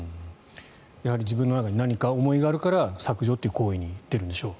やはり自分の中に何か思いがあるから削除という行為に出るんでしょう。